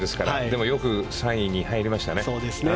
でも、よく３位に入りましたね。